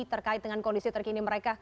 terkait dengan kondisi terkini mereka